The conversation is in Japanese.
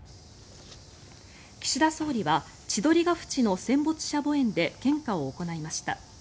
岸田総理は千鳥ヶ淵の戦没者墓苑で献花を行いました。